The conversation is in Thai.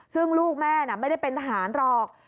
ซึ่งลูกแม่น่ะไม่ได้เป็นทหารหรอก